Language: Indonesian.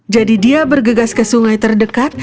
jadi dia bergegas ke sungai terdekat